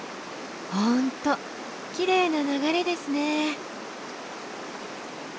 本当きれいな流れですね！